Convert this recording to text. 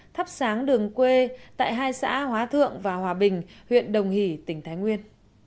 thắp sáng đường quê tại hai xã hóa thượng và hòa bình huyện đồng hỷ tỉnh thái nguyên